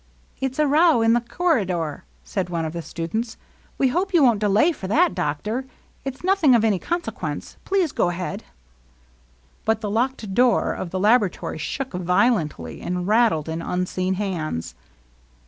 " It 's a row in the corridor," said one of the stu dents. " We hope you won't delay for that, doctor. It 's nothing of any consequence. Please go ahead." But the locked door of the laboratory shook vio lently, and rattled in unseen hands.